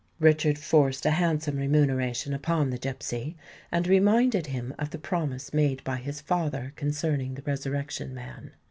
Richard forced a handsome remuneration upon the gipsy, and reminded him of the promise made by his father concerning the Resurrection Man.